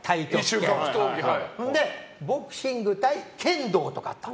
ボクシング対剣道とかもあった。